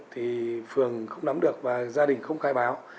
thì phường không nắm được và gia đình không khai báo